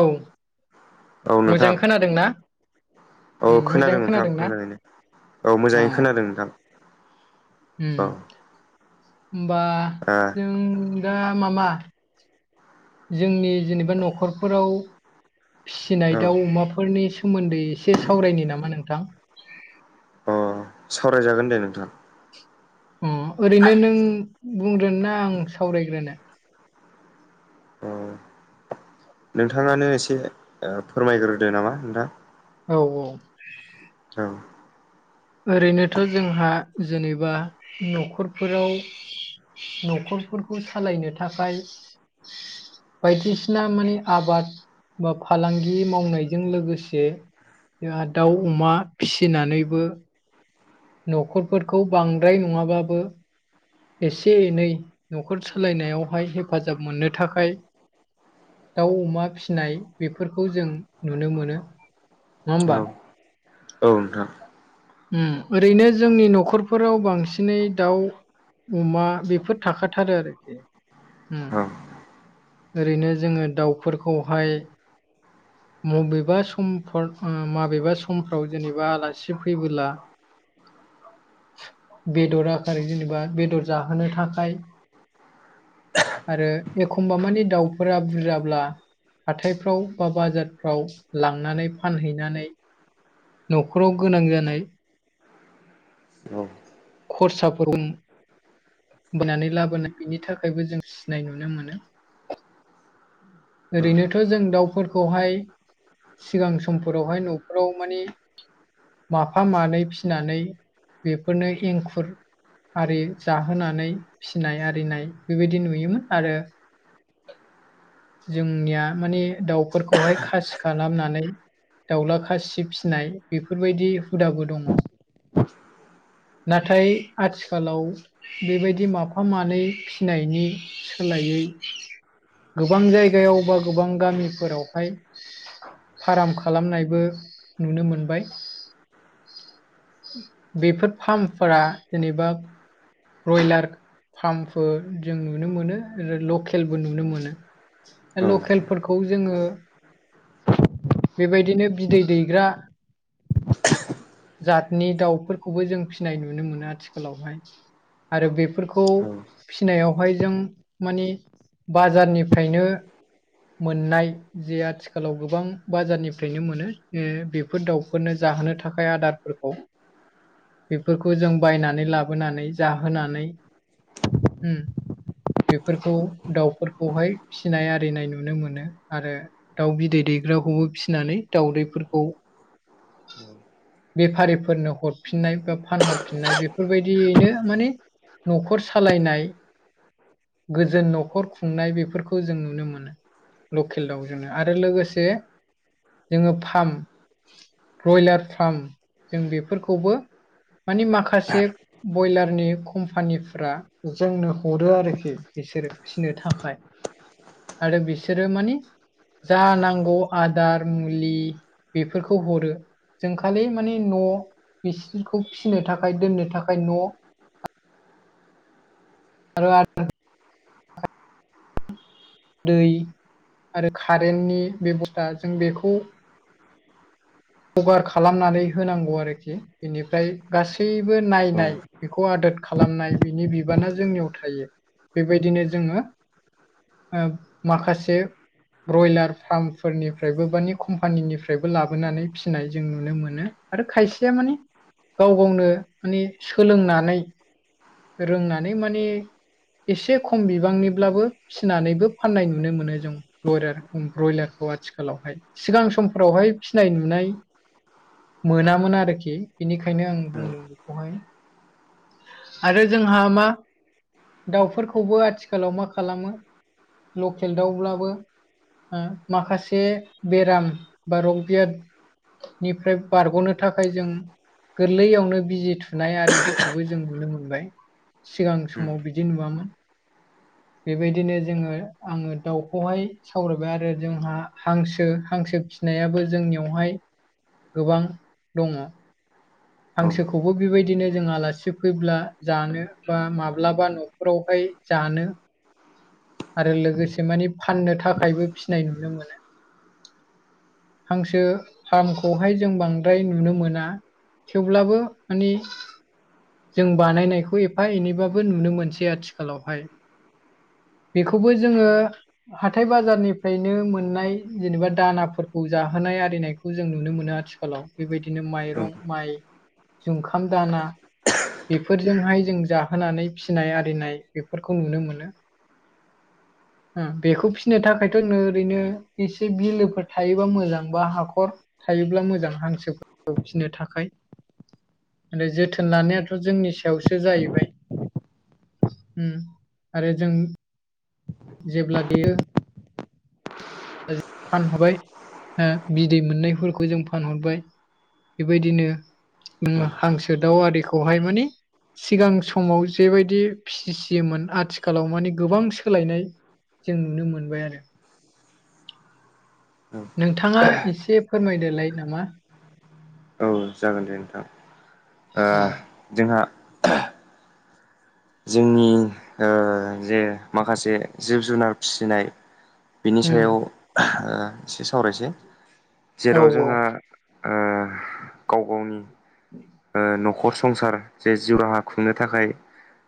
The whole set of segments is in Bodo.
औ औ मोजां नोंथां खोनादों ना? औ खोनादों नोंथां मोजाङैनो औ अ मोजाङै खोनादों नोंथां। उम ओमबा ओ जों दा मा मा जोंनि जेनेबा नखरफोराव फिसिनाय औ दाउ अमाफोरनि सोमोन्दै एसे सावरायनो नामा नोंथां? अ सावराय जागोन दे नोंथां। अ ओरैनो नों बुंग्रोनो ना आं सावरायग्रोनो? अ नोंथाङानो एसे ओ फोरमायग्रोदो नामा नोंथां। औ औ औ ओरैनोथ' जोंहा जेनेबा नखरफोराव नखरफोरखौ सालायनो थाखाय बायदिसिना माने आबाद बा फालांगि मावनायजों लोगोसे जोंहा दाउ औ अमा फिसिनानैबो नखरफोरखौ बांद्राय नङाबाबो एसे एनै नखर सोलायनायावहाय हेफाजाब मोननो थाखाय दाउ अमा फिसिनाय बेफोरखौ जों नुनो मोनो नङा ओमबा? औ नोंथां उम ओरैनो जोंनि नखरफोराव बांसिनै दाउ अमा बेफोर थाखाथारो आरोखि उम औ ओरैनो जोङो दाउफोरखौहाय मबेबा समफोर ओ माबेबा समफ्राव जेनेबा आलासि फैबोला बेदर आखारै जेनेबा बेदर जाहोनो थाखाय आरो एखमबा माने दाउफोरा बुरजाब्ला हाथायफ्राव बा बाजारफ्राव लांनानै फानहैनानै नखराव गोनां जानाय औ औ खरसाफोर [unintelligible] बोनानै लाबोनाय बेनि थाखायबो जों फिसिनाय नुनो मोनो। ओरैनोथ' जों दाउफोरखौहाय सिगां समफोरावहाय न'फोराव माने माफा मानै फिनानै बेफोरनो एंखुर आरि जाहोनानै फिनाय आरिनाय बेबायदि नुयोमोन आरो जोंनिया माने दाउफोरखौहाय खासि खालामनानै दाउला खासि फिसिनाय बेफोरबायदि हुदाबो दङ। नाथाय आथिखालाव बेबायदि माफा मानै फिनायनि सोलायै गोबां जायगायाव बा गोबां गामिफोरावहाय फाराम खालामनायबो नुनो मोनबाय। बेफोर फार्मफोरा जेनेबा ब्रयलार फार्मफोर जों नुनो मोनो आरो लकेलबो नुनो मोनो। नोंथां लकेलफोरखौ जोङो बेबायदिनो बिदै दैग्रा जातनि दाउफोरखौबो जों फिसिनाय नुनो मोनो आथिखालावहाय आरो बेफोरखौ औ फिनायावहाय जों माने बाजारनिफ्रायनो मोननाय जे आथिखालाव गोबां बाजारनिफ्रायनो मोनो बे फोर दाउफोरनो जाहोनो थाखाय आदारफोरखौ बेफोरखौ जों बायनानै लाबोनानै जाहोनानै उम बेफोरखौ दाउफोरखौहाय फिसिनाय आरिनाय नुनो मोनो आरो दाउ बिदै दैग्राखौबो फिसिनानै दाउदैफोरखौ बेफारिफोरनो हरफिननाय बा फानहरफिननाय बेफोरबायदियैनो माने न'खर सालायनाय गोजोन न'खर खुंनाय बेफोरखौ जों नुनो मोनो लकेल दाउजोंनो आरो लोगोसे जोंङो फार्म ब्रयलार फार्म जों बेफोरखौबो माने माखासे बयलारनि कम्पानिफ्रा जोंनो हरो आरोखि बिसोरो फिसिनो थाखाय आरो बिसोरो मानि जा नांगौ आदार मुलि बेफोरखौ हरो जों खालि माने न' बिसखौ फिनो थाखाय दोननो थाखाय न' आरो दै आरो कारेन्टनि बेब'स्था जों बेखौ हगार खालामनानै होनांगौ आरोखि बेनिफ्राय गासैबो नायनाय बेखौ आदोर खालामनाय बिनि बिनि बिबाना जोंनियाव थायो बेबायदिनो जोंङो ओ माखासे ब्रयलार फार्मफोरनिफ्रायबो बानि कम्पानिनिफ्रायबो लाबोनानै फिसिनाय जों नुनो मोनो आरो खायसेया माने गाव गावनो माने सोलोंनानै रोंनानै माने एसे खम बिबांनिब्लाबो फिसिनानैबो फान्नाय नुनो मोनो जोंयार ब्रयलारखौ आथिखालावहाय सिगां समफ्रावहाय फिनाय नुनाय मोनामोन आरोखि बेनिखायनो आं बुंदों बेखौहाय आरो जोंहा मा दाउफोरखौबो आथिखालाव मा खालामो लकेल दाउब्लाबो माखासे बेराम बा रग बियाद निफ्राय बारग'नो थाखाय जों गोरलैयावनो बिजि थु थुनाय आरिखौबो जों नुनो मोनबाय सिगां समाव बिदि बिदि नुवामोन बेबायदिनो जोंङो आंङो दाउखौहाय सावरायबाय आरो जोंहा हांसो हांसो फिनायाबो जोंनियावहाय गोबां दंङो हांसोखौबो बेबायदिनो जों आलासि फैब्ला जानो बा माब्लाबा न'खरावहाय जानो आरो लोगोसे मानि फाननो थाखायबो फिनाय नुनो मोनो हांसो फार्मखौहाय जों बांद्राय नुनो मोना थेवब्लाबो माने जों बानायनायखौ एफा एनैबाबो नुनो मोनसै आथिखालावहाय बेखौबो जोंङो हाथाय बाजारनिफ्रायनो मोननाय जेनेबा दानाफोरखौ जाहोनाय आरिनायखौ खौ जों नुनो मोनो आथिखालाव बेबायदिनो माइरं माइ जुंखाम दाना बेफोरजोंहाय जों जाहोनानै फिसिनाय आरिनाय बेफोरखौ नुनो मोनो बेखौ फिसिनो थाखायथ' ओरैनो एसे बिलोफोर थायोबा मोजांबा हाखर थायोब्ला मोजां हांसो फिनो थाखाय जोथोन लानायाथ' जोंनि सायावसो जाहैबाय आरो जों जेब्ला देरो फानहरबाय बिदै मोननायफोरखौ जों फानहरबाय बेबायदिनो हांसो दाउ आरिखौहाय माने सिगां समाव जेबायदि फिसियोमोन आथिखालाव माने गोबां सोलायनाय जों नुनो मोनबाय आरो नोंथाङा एसे फोरमायदोलाय नामा औ जागोन दे नोंथां ओ अ जोंहा जोंनि ओ जे माखासे जिब जुनार फिसिनाय बिनि सायाव ओ उम एसे सावरायसै औ जेराव औ जोंहा ओ गाव गावनि [inaudible] ओ न'खर संसार जे जिउ राहा खुंनो थाखाय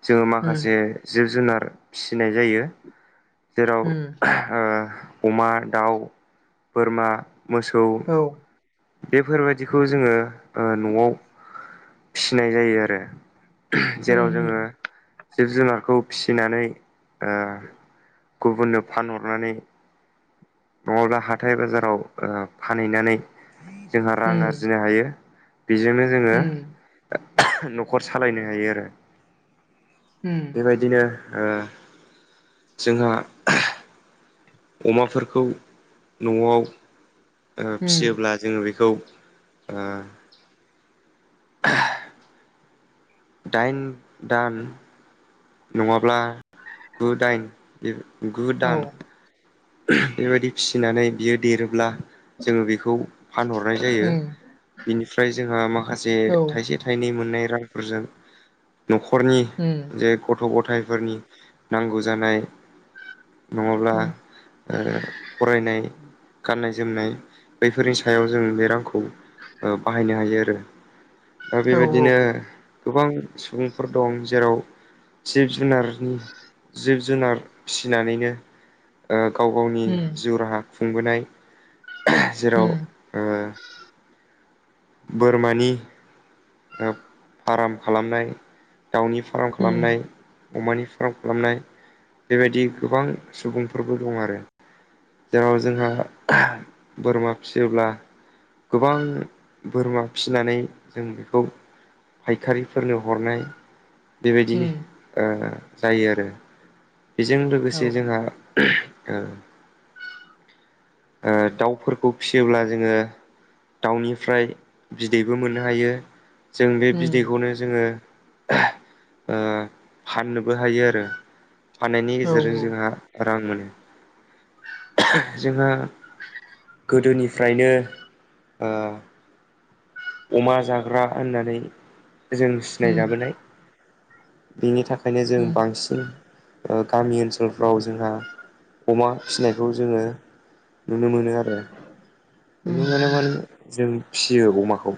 जोङो उम माखासे जिब जुनार फिसिनाय जायो जेराव उम आ अमा दाउ बोरमा मोसौ औ बेफोरबायदिखौ जोङो ओ न'आव फिनाय जायो आरो जेराव उम जोङो जिब जुनारखौ फिसिनानै ओ गुबुननो फानहरनानै नङाब्ला हाथाय बाजाराव फानहैनानै जोंहा रां उम आरजिनो हायो बेजोंनो जोङो उम न'खर सालायनो हायो आरो उम बेबायदिनो ओ जोंहा अमाफोरखौ न'आव ओ उम फियोब्ला जोङो बेखौ आ दाइन दान नङाब्ला गु दाइन गु औ दान बेबायदि फिसिनानै बियो देरोब्ला जोङो बेखौ फानहरनाय जायो उम बिनिफ्राय जोंहा माखासे औ थाइसे थाइनै मोननाय रांफोरजों न'खरनि उम जे गथ' गथायफोरनि नांगौ जानाय नङाब्ला उम ओ फरायनाय गाननाय जोमनाय बैफोरनि सायाव जों बे रांखौ ओ बाहायनो हायो आरो ओ औ बेबायदिनो गोबां सुबुंफोर दं जेराव जिब जुनारनि जिब जुनार फिसिनानैनो ओ गाव गावनि उम जिउ राहा खुंबोनाय जेराव उम ओ बोरमानि फार्म खालामनाय दाउनि फार्म खालामनाय उम अमानि फार्म खालामनाय बेबायदि गोबां सुबुंफोरबो दं आरो जेराव जोंहा बोरमा फिसियोब्ला गोबां बोरमा फिनानै जों बेखौ फायखारिफोरनो हरनाय बेबायदि उम ओ जायो आरो बेजों औ लोगोसे जोंहा ओ ओ दाउफोरखौ फिसियोब्ला जोङो दाउनिफ्राय बिदैबो मोननो हायो जों बे उम बिदैखौनो जोङो ओ फाननोबो हायो आरो फाननायनि औ गेजेरजों जोंहा रां मोनो जोंहा गोदोनिफ्रायनो ओ अमा जाग्रा होननानै जों उम सिनायजाबोनाय बिनि थाखायनो जों उम बांसिन ओ गामि ओनसोलफ्राव जोंहा अमा फिसिनायखौ जोङो नुनो मोनो आरो नुनो मोनो माने जों फियो अमाखौ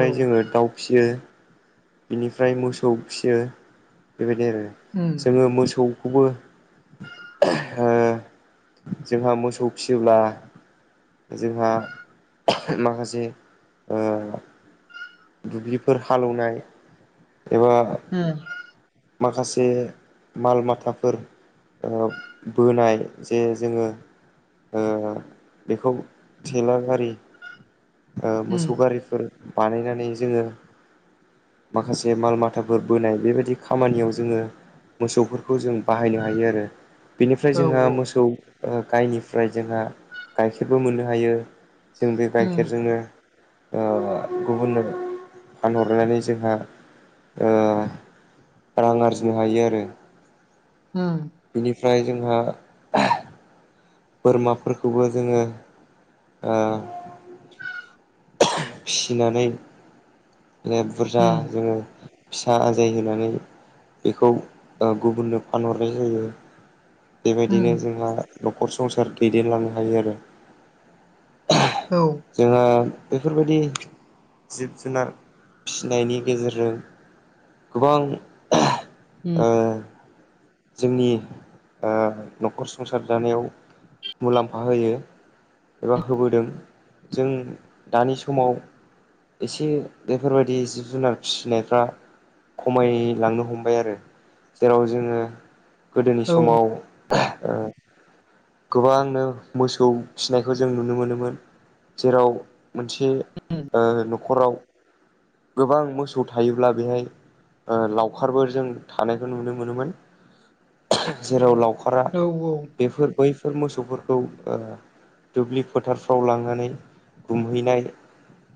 औ जोङो दाउ फिसियो बिनिफ्राय मोसौ फियो बेबायदि आरो उम जोङो मोसौ बखौबो ओ जोंहा मोसौ फिसियोब्ला जोंहा माखासे ओ दुब्लिफोर हाल एवनाय एबा उम माखासे माल माथाफोर ओ बोनाय जे जोङो ओ बेखौ थेलाबारि ओ मोसौ गारिफोर बानायनानै जोङो माखासे माल माथाफोर बोनाय बेबायदि खामानियाव जोङो मोसौफोरखौ जों बाहायनो हायो आरो। बेनिफ्राय औ जोंहा औ मोसौ ओ गायनिफ्राय जोंहा गाइखेरबो मोननो हायो। जों बे उम गाइखेरजोंनो ओ गुबुननो फानहरनानै जोंहा ओ रां आरजिनो हायो आरो। उम उम बिनिफ्राय जोंहा बोरमाफोरखौबो जोङो ओ फिनानै माने औ बुरजा जोङो फिसा आजाय होनानै बेखौ ओ गुबुननो फानहरनाय जायो। उम औ उम बेबायदिनो जोंहा नखर संसार दैदेनलांनो हायो आरो। जोंहा बेफोरबायदि जिब जुनार फिनायनि गेजेरजों गोबां [inaudible] उम ओ जोंनि ओ नखर संसार जानायाव मुलाम्फा होयो। एबा होबोदों जों दानि समाव एसे बेफोरबायदि जिब जुनार फिसिनायफ्रा खमायलांनो हमबाय आरो जेराव जोङो गोदोनि समाव ओ गोबांनो मोसौ फिनायखौ जों नुनो मोनोमोन। जेराव मोनसे ओ नखराव गोबां मोसौ थायोब्ला बेहाय ओ लावखारबो जों थानायखौ नुनो मोनोमोन। जेराव लावखारा औ बेफोर बैफोर मोसौफोरखौ ओ दुब्लि फोथारफ्राव लांनानै गुमहैनाय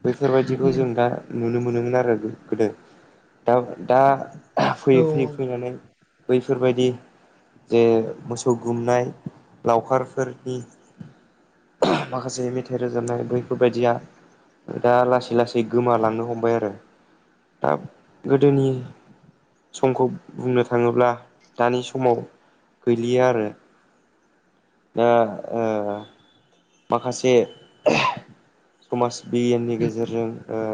बैफोरबायदिखौ उम जों दा नुनो मोनोमोन आरो गोदो दा दा औ फैयै फैयै फैनानै बैफोरबायदि जे मोसौ गुमनाय लावखारफोरनि माखासे मेथाइ रोजाबनाय बैफोरबायदिया दा लासै लासै गोमालांनो हमबाय आरो दा गोदोनि समखौ बुंनो थाङोब्ला दानि समाव गैलिया आरो दा ओ माखासे समाज बिगियाननि औ गेजेरजों ओ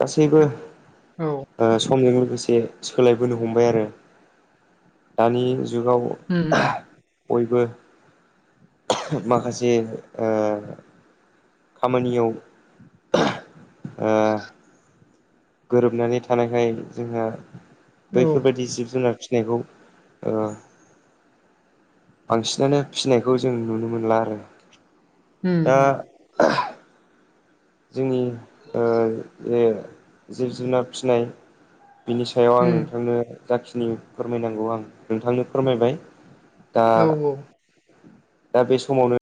गासैबो औ ओ समजों लोगोसे सोलायबोनो हमबाय आरो दानि जुगाव उम उम बयबो माखासे ओ खामानियाव [inaudible] ओ गोरोबनानै थानायखाय जोंहा औ बैफोरबायदि जिब जुनार फिनायखौ ओ बांसिनानो फिसिनायखौ जों नुनो मोनला आरो। उम दा उम जोंनि ओ जे जिब जुनार फिसिनाय बिनि सा याव आं उम नोंथांनो जाखिनि फोरमायनांगौ आं नोंथांनो फोरमायबाय दा औ औ दा बे समावनो